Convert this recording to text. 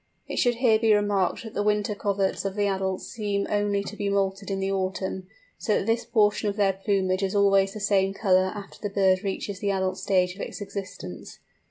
It should here be remarked that the wing coverts of the adults seem only to be moulted in the autumn, so that this portion of their plumage is always the same colour after the bird reaches the adult stage of its existence.